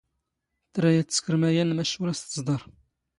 ⵜⵔⴰ ⴰⴷ ⵜⵙⴽⵔ ⵎⴰⵢⴰⵏⵏ, ⵎⴰⵛⵛ ⵓⵔ ⴰⵙ ⵜⵥⴹⴰⵕ.